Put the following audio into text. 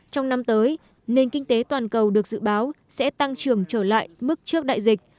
trong năm tới nền kinh tế toàn cầu được dự báo sẽ tăng trưởng trở lại mức trước đại dịch